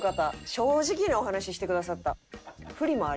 正直にお話ししてくださった。